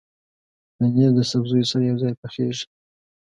پنېر د سبزیو سره یوځای پخېږي.